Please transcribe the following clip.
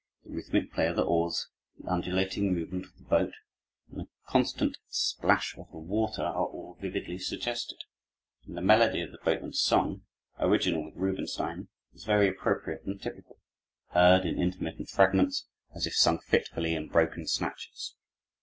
The rhythmic play of the oars, the undulating movement of the boat, and the constant plash of the water, are all vividly suggested, and the melody of the boatman's song, original with Rubinstein, is very appropriate and typical, heard in intermittent fragments as if sung fitfully in broken snatches.